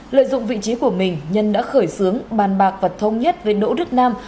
lợi dụng vị trí của mình nhân đã khởi xướng bàn bạc và thông nhất với đỗ đức nam